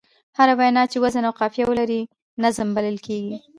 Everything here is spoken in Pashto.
هره وينا چي وزن او قافیه ولري؛ نظم بلل کېږي.